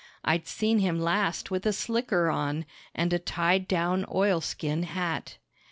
(I'd seen him last with a slicker on and a tied down oilskin hat.)